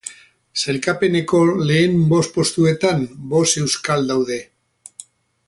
Sailkapeneko lehen bost postuetan, bost euskal daude.